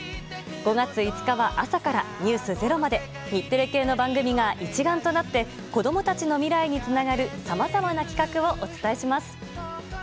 ５月５日は朝から「ｎｅｗｓｚｅｒｏ」まで日テレ系の番組が一丸となって子供たちの未来につながるさまざまな企画をお伝えします。